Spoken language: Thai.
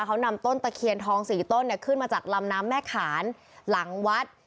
เขานำต้นตะเคียนทองสี่ต้นเนี่ยขึ้นมาจากลำน้ำแม่ขานหลังวัด